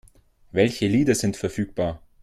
Welche Lieder sind verfügbar?